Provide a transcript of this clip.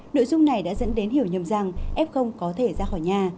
nội dung này đã dẫn đến hiểu nhầm rằng f có thể ra khỏi nhà